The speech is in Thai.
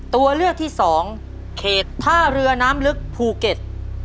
ตัวเลือกที่สองเขตท่าเรือน้ำลึกภูเก็ต